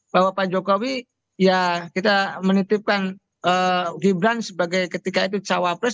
bahwa pak jokowi ya kita menitipkan gibran sebagai ketika itu cawapres